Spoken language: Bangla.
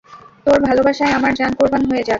তোর ভালবাসায় আমার জান কোরবান হয়ে যাক।